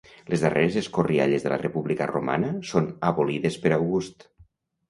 Les darreres escorrialles de la República romana són abolides per August.